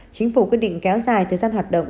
chính phủ quyết định kéo dài thời gian hoạt động